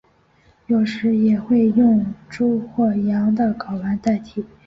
有时也会用猪或羊的睾丸代替。